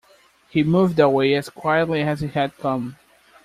He moved away as quietly as he had come.